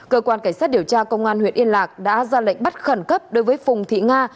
cơ quan cảnh sát điều tra công an huyện yên lạc đã ra lệnh bắt khẩn cấp đối với phùng thị nga